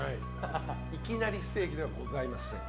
いきなりステーキではございません。